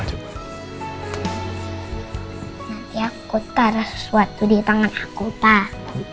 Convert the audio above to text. nanti aku taruh sesuatu di tangan aku tak